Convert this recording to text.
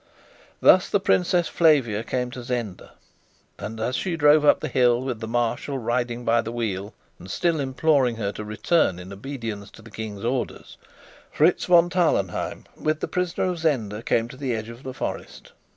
Thus the Princess Flavia came to Zenda. And as she drove up the hill, with the Marshal riding by the wheel and still imploring her to return in obedience to the King's orders, Fritz von Tarlenheim, with the prisoner of Zenda, came to the edge of the forest.